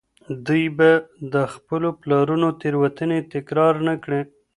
دوی به د خپلو پلرونو تېروتني تکرار نه کړي.